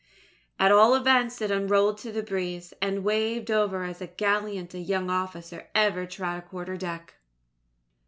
At all events, it unrolled to the breeze, and waved over as gallant a young officer as ever trod a quarterdeck.